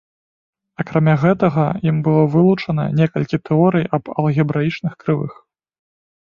Акрамя гэтага ім было вылучана некалькі тэорый аб алгебраічных крывых.